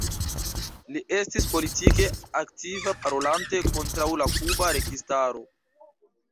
Li estis politike aktiva parolante kontraŭ la kuba registaro.